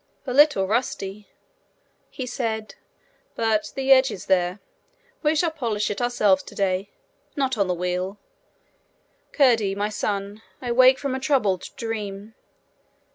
'A little rusty!' he said, 'but the edge is there. We shall polish it ourselves today not on the wheel. Curdie, my son, I wake from a troubled dream.